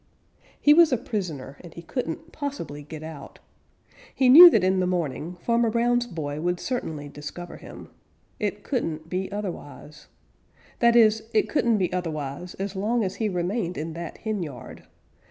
He was a prisoner, and he couldn't possibly get out. He knew that in the morning Farmer Brown's boy would certainly discover him. It couldn't be otherwise. That is, it couldn't be otherwise as long as he remained in that henyard.